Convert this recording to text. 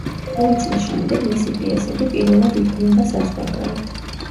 ორი წლის შემდეგ მისი პიესები პირველად იდგმება საზღვარგარეთ.